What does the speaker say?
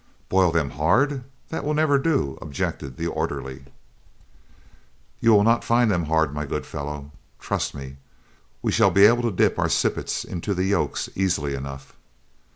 "Boil them hard! That will never do," objected the orderly. "You will not find them hard, my good fellow. Trust me, we shall be able to dip our sippets into the yolks easily enough."